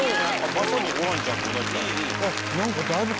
まさにホランちゃんと同じだ。